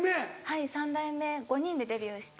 はい３代目５人でデビューして。